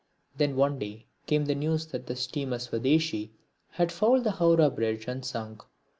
Then one day came the news that the steamer Swadeshi had fouled the Howrah bridge and sunk.